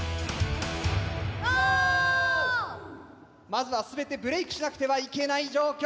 まずは全てブレイクしなくてはいけない状況。